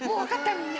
みんな。